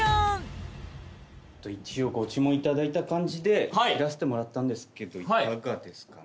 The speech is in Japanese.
一応ご注文いただいた感じで切らせてもらったんですけどいかがですかね？